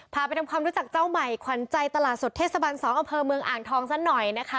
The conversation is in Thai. ไปทำความรู้จักเจ้าใหม่ขวัญใจตลาดสดเทศบัน๒อำเภอเมืองอ่างทองซะหน่อยนะคะ